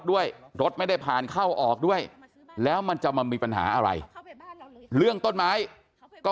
ด้วยรถไม่ได้ผ่านเข้าออกด้วยแล้วมันจะมามีปัญหาอะไรเรื่องต้นไม้ก็